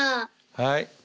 はい。